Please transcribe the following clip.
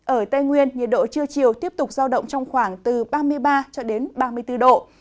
ở tây nguyên nhiệt độ trưa chiều tiếp tục giao động trong khoảng từ ba mươi ba ba mươi bốn độ